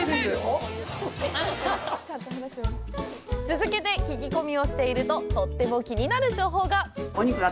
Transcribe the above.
続けて聞き込みをしていると、とっても気になる情報が。